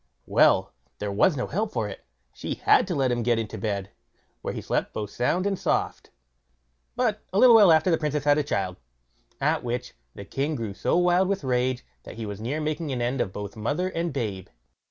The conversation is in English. Well! there was no help for it; she had to let him get into bed, where he slept both sound and soft; but a little while after the Princess had a child, at which the king grew so wild with rage, that he was near making an end of both mother and babe.